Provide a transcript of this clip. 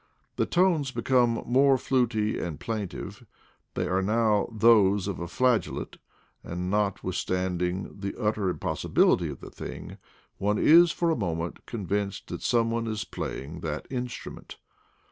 The tones become more fluty and plaintive; they are now those of a flageolet, and notwith standing the utter impossibility of the thing, one is for a moment convinced that some one is play ing that instrument.